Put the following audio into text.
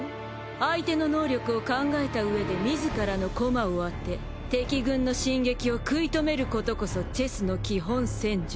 相手の能力を考えたうえで自らの駒を当て敵軍の進撃を食い止めることこそチェスの基本戦術。